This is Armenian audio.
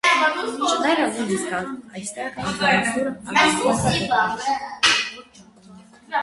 Շները նույնիսկ այստեղ՝ անտառից դուրս, ագահաբար հոտոտում են։